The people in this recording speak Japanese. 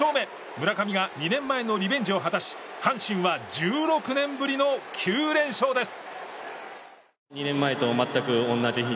村上が２年前のリベンジを果たし阪神は１６年ぶりの９連勝です！